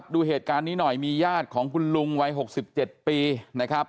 ดูเหตุการณ์นี้หน่อยมีญาติของคุณลุงวัย๖๗ปีนะครับ